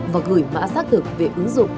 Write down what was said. và gửi mã xác thực về ứng dụng